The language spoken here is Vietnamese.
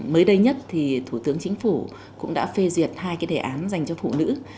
mới đây nhất thủ tướng chính phủ cũng đã phê duyệt hai đề án dành cho phụ nữ